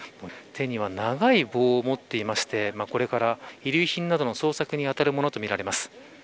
手には長い棒を持っていましてこれから遺留品などの捜索に当たるものとみられます。